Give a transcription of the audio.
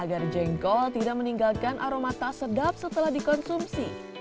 agar jengkol tidak meninggalkan aroma tak sedap setelah dikonsumsi